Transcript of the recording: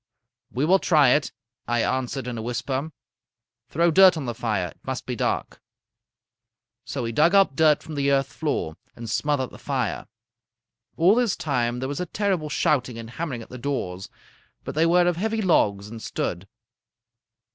"'We will try it,' I answered in a whisper. 'Throw dirt on the fire. It must be dark.' "So we dug up dirt from the earth floor and smothered the fire. All this time there was a terrible shouting and hammering at the doors, but they were of heavy logs and stood.